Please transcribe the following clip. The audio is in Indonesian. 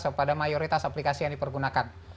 atau pada mayoritas aplikasi yang dipergunakan